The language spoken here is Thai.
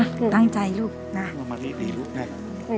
มีช่องมีรูให้สัตว์ร้ายแมลงร้ายนะครับเข้ามาในบ้านได้นะครับคือวิธีภาพ